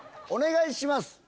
お願いします。